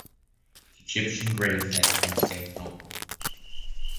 Egyptian grain fed Constantinople.